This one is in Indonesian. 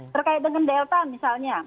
terkait dengan delta misalnya